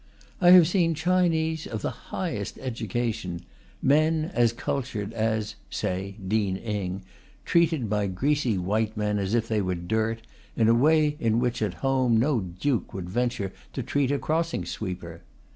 I have seen Chinese of the highest education, men as cultured as (say) Dean Inge, treated by greasy white men as if they were dirt, in a way in which, at home, no Duke would venture to treat a crossing sweeper.